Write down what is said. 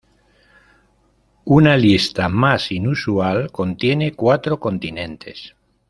Una lista más inusual contiene cuatro continentes.